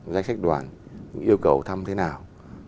giai sách đoàn yêu cầu thăm thế nào